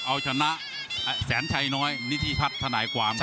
เอาชนะแสนชัยน้อยนี่ที่พัดธนายกว่านะครับ